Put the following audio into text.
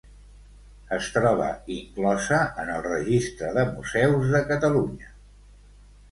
Es troba inclosa en el Registre de Museus de Catalunya.